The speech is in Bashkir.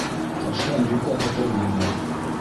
Таштан йүкә һыҙырмайҙар.